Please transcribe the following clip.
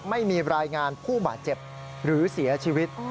ไม่มีรายงานผู้บาดเจ็บหรือเสียชีวิต